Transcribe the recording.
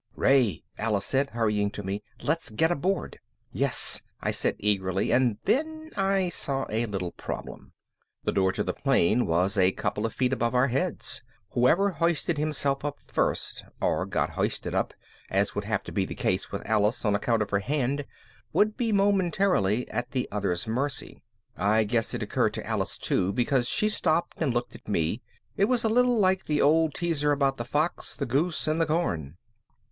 "Ray," Alice said, hurrying to me, "let's get aboard." "Yes," I said eagerly and then I saw a little problem. The door to the plane was a couple of feet above our heads. Whoever hoisted himself up first or got hoisted up, as would have to be the case with Alice on account of her hand would be momentarily at the other's mercy. I guess it occurred to Alice too because she stopped and looked at me. It was a little like the old teaser about the fox, the goose, and the corn.